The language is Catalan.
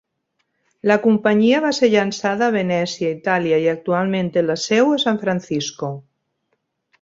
La companyia va ser llançada a Venècia, Itàlia, i actualment té la seu a San Francisco.